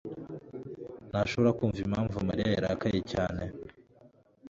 ntashobora kumva impamvu Mariya yarakaye cyane.